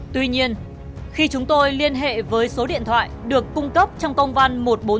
tuy nhiên khi chúng tôi liên hệ với số điện thoại được cung cấp trong công an một nghìn bốn trăm chín mươi hai